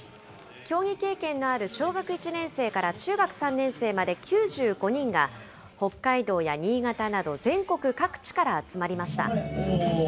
競技経験のある小学１年生から中学３年生まで９５人が、北海道や新潟など、全国各地から集まりました。